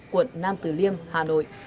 quận nam tử liêm hà nội